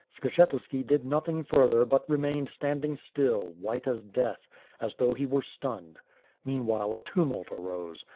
Skshetuski did nothing further but re mained standing still, white as death, as though he were stunned. Meanwhile, a tumult arose.